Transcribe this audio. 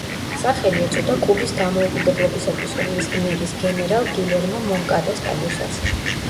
სახელი ეწოდა კუბის დამოუკიდებლობისათვის ომის გმირის, გენერალ გილერმო მონკადას პატივსაცემად.